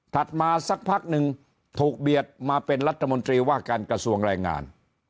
มาสักพักหนึ่งถูกเบียดมาเป็นรัฐมนตรีว่าการกระทรวงแรงงาน